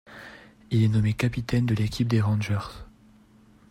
Il est nommé capitaine de l'équipe des Rangers.